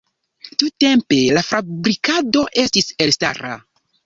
Tiutempe la fabriko estis elstara.